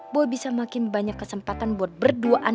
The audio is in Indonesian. boleh bisa makin banyak kesempatan buat berduaan